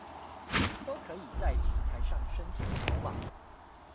都可以在平台上申請條碼